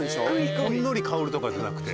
ほんのり香るとかじゃなくて。